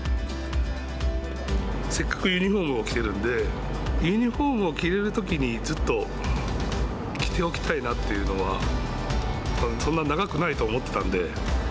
せっかくユニホームを着ているんでユニホームを着れるときにずっと着ておきたいなというのはそんな長くないと思ってたんで。